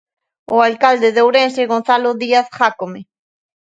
O alcalde de Ourense Gonzalo Díaz Jácome.